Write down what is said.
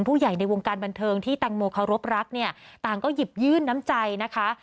ผู้ใหญ่ในวงการบรรเทิงที่ตังโมคารพรักปลาก็หยิบยืนน้ำใจนะคะ